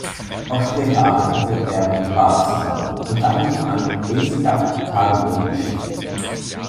Auch später arbeitete er mit Barks zusammen, unter anderem an Daisy Duck-Tagebuch-Geschichten.